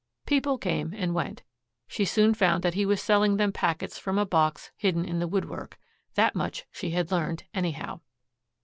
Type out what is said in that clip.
People came and went. She soon found that he was selling them packets from a box hidden in the woodwork. That much she had learned, anyhow.